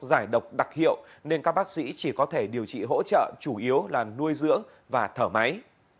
giải độc đặc hiệu nên các bác sĩ chỉ có thể điều trị hỗ trợ chủ yếu là nuôi dưỡng và thở máy